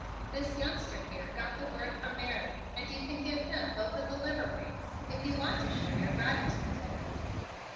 "This youngster here got the word from Mary and you can give him both of the liver wings if you want to show your gratitude to him."